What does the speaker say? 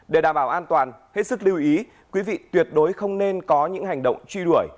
để đảm bảo an toàn hết sức lưu ý quý vị tuyệt đối không nên có những hành động truy đuổi